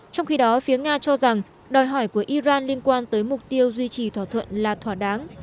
trong khi đó phía nga cho rằng đòi hỏi của iran liên quan tới mục tiêu duy trì thỏa thuận là thỏa đáng